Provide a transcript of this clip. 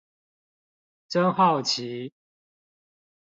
真好奇